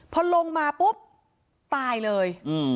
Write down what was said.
พอลงมาปุ๊บตายเลย